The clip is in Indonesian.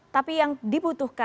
tapi yang dibutuhkan